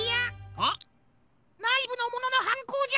ハ？ないぶのもののはんこうじゃ！